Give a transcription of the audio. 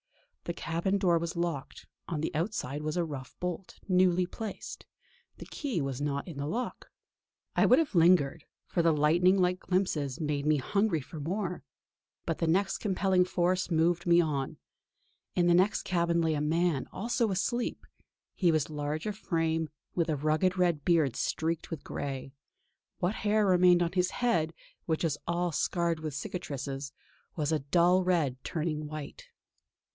The cabin door was locked; on the outside was a rough bolt, newly placed; the key was not in the lock. I would have lingered, for the lightning like glimpse made me hungry for more; but the same compelling force moved me on. In the next cabin lay a man, also asleep. He was large of frame, with a rugged red beard streaked with grey; what hair remained on his head, which was all scarred with cicatrices, was a dull red turning white.